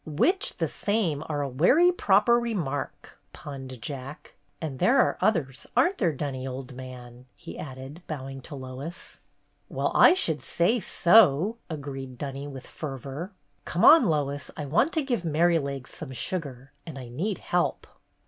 "Witch the same are a werry proper re mark," punned Jack. "And there are others, aren't there, Dunny, old man?" he added, bowing to Lois. "Well, I should say so!" agreed Dunny, 148 BETTY BAIRD'S GOLDEN YEAR with fervor. "Come on, Lois, I want to give Merrylegs some sugar, and I need help.